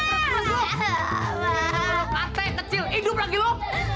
kata yang kecil hidup lagi lo